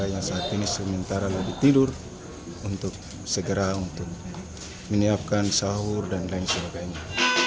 yang saat ini sementara lagi tidur untuk segera untuk menyiapkan sahur dan lain sebagainya